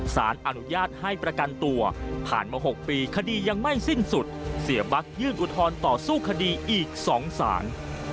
สารอนุญาตให้ประกันตัวผ่านมา๖ปีคดียังไม่สิ้นสุดเสียบั๊กยื่นอุทธรณ์ต่อสู้คดีอีก๒สาร